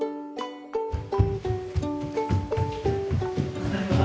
ただいま。